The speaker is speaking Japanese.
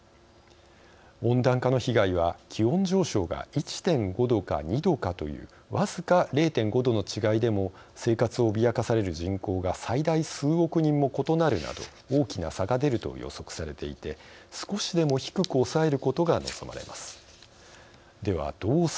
温暖化の被害は気温上昇が１．５度か２度かという僅か０．５度の違いでも生活を脅かされる人口が最大数億人も異なるなど大きな差が出ると予測されていて少しでも低く抑えることが望まれます。